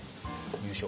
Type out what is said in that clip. よいしょ。